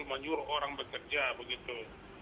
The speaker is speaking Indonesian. menyuruh orang bekerja begitu